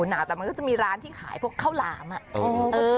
หนาวแต่มันก็จะมีร้านที่ขายพวกข้าวหลามอ่ะ